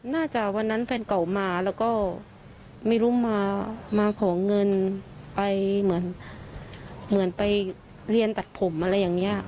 วันนั้นแฟนเก่ามาแล้วก็ไม่รู้มาขอเงินไปเหมือนไปเรียนตัดผมอะไรอย่างนี้